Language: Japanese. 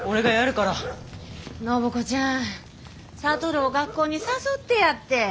暢子ちゃん智を学校に誘ってやって。